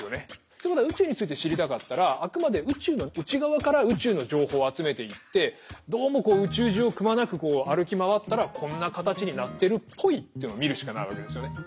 ってことは宇宙について知りたかったらあくまで宇宙の内側から宇宙の情報を集めていってどうも宇宙中をくまなく歩き回ったらこんな形になってるっぽいというのを見るしかないわけですよね。